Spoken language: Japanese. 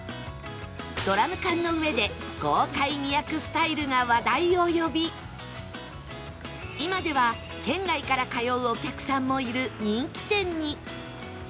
ドラム缶の上で豪快に焼くスタイルが話題を呼び今では県外から通うお客さんもいる人気店に